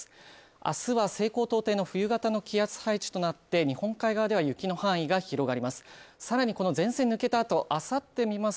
明日は西高東低の冬型の気圧配置となって日本海側では雪の範囲が広がります。